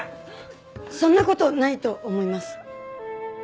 そんな事ないと思います。